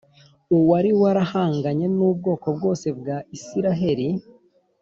uwari warahanganye n’ubwoko bwose bwa Isiraheli